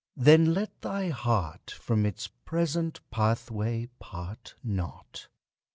then let thy heart From its present pathway part not!